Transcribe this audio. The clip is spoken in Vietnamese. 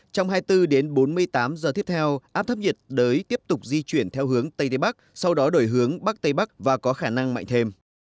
trong hai mươi bốn đến bốn mươi tám giờ tiếp theo áp thấp nhiệt đới tiếp tục di chuyển theo hướng tây đế bắc sau đó đổi hướng bắc tây bắc và có khả năng mạnh thêm